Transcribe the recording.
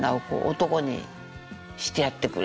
「男にしてやってくれ」。